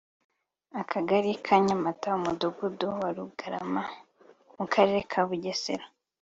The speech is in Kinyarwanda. akagari ka Nyamata umudugudu wa Rugarama mu karere ka Bugesera